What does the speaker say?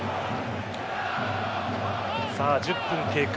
１０分経過。